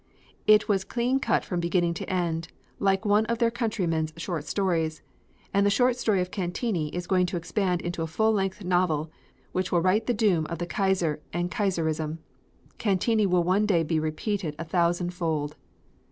It was clean cut from beginning to end, like one of their countrymen's short stories, and the short story of Cantigny is going to expand into a full length novel which will write the doom of the Kaiser and Kaiserism. Cantigny will one day be repeated a thousand fold."